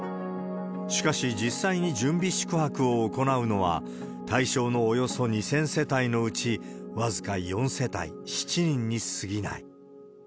しかし、実際に準備宿泊を行うのは、対象のおよそ２０００世帯のうち僅か４世帯７人にすぎない。